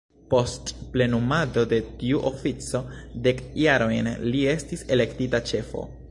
Post plenumado de tiu ofico dek jarojn li estis elektita ĉefo.